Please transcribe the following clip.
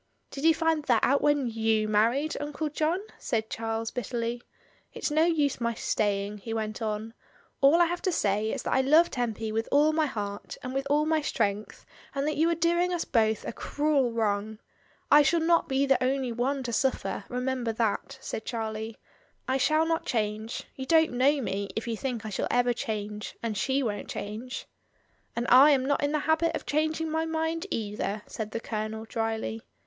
"Did you find that out when j^ou married, Uncle John?" said Charles bitterly. "It's no use my stay ing," he went on. "All I have to say is that I love Tempy with all my heart, and with all my strength, and that you are doing us both a cruel wrong. I shall not be the only one to suffer, remember that," said Charlie. "I shall not change; you don't know STELLA M£A. l8l me, if you think I shall ever change; and she won't change." "And I am not in the habit of changing my mind either," said the Colonel, dryly.